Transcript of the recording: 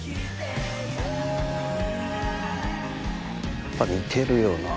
やっぱ似てるよな。